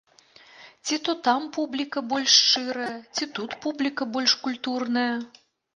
Ці то там публіка больш шчырая, ці тут публіка больш культурная.